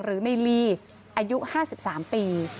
หรือในลีอายุ๕๓ปี